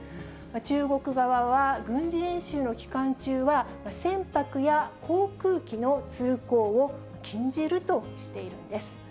中国側は、軍事演習の期間中は、船舶や航空機の通行を禁じるとしているんです。